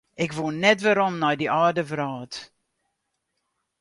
Ik woe net werom nei dy âlde wrâld.